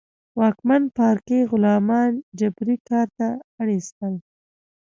واکمن پاړکي غلامان جبري کار ته اړ اېستل.